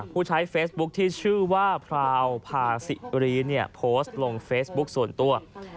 ผู้ใช้เฟซบุ๊คที่ชื่อว่าพราวพาสิรีเนี่ยโพสต์ลงเฟซบุ๊คส่วนตัว